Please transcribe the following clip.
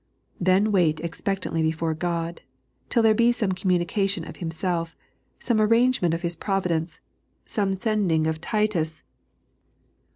Then wait expectantly before God, till there be some communication of Himself, some arrange ment of His providence, some sending of Titus, or the 3.